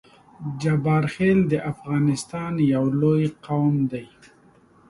جبارخیل د افغانستان یو لوی قام دی